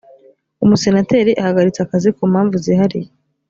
umusenateri ahagaritse akazi ku mpamvu zihariye